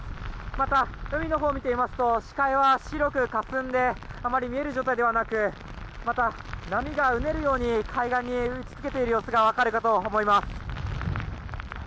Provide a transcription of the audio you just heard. また、海のほうを見てみますと視界は白くかすんであまり見える状態ではなくまた、波がうねるように海岸に打ち付けている様子が分かるかと思います。